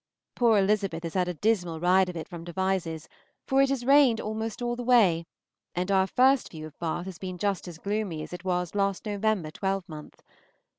Poor Elizabeth has had a dismal ride of it from Devizes, for it has rained almost all the way, and our first view of Bath has been just as gloomy as it was last November twelvemonth.